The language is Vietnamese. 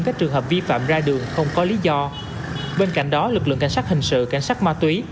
không có lý do bên cạnh đó lực lượng cảnh sát hình sự cảnh sát ma túy